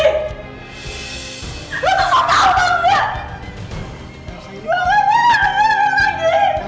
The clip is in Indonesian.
gue gak mau dengerin lo lagi